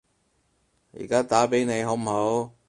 而家打畀你好唔好？